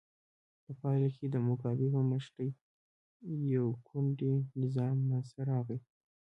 په پایله کې د موګابي په مشرۍ یو ګوندي نظام منځته راغی.